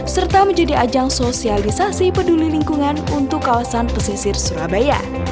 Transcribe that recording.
serta menjadi ajang sosialisasi peduli lingkungan untuk kawasan pesisir surabaya